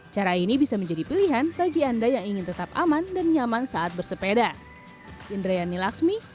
cara ini bisa menjadi pilihan bagi anda yang ingin tetap aman dan nyaman saat bersepeda